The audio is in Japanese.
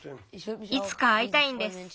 いつかあいたいんです。